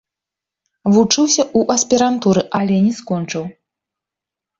Вучыўся ў аспірантуры, але не скончыў.